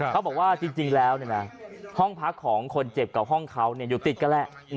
เขาบอกว่าจริงแล้วห้องพักของคนเจ็บกับห้องเขาอยู่ติดกันแหละ